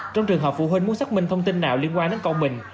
trong trường hợp phụ huynh muốn xác minh thông tin nào liên quan đến con mình